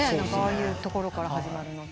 ああいうところから始まるの。